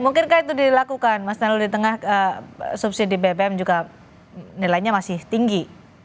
mungkinkah itu dilakukan mas danul di tengah subsidi bbm juga nilainya masih tinggi